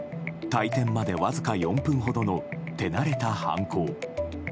退店まで、わずか４分ほどの手慣れた犯行。